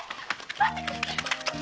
待ってください！